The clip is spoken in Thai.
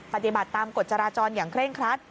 ปฏิบัติตามกฎจราจรอย่างเคร่งครัด